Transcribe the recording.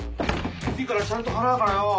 次からちゃんと払うからよ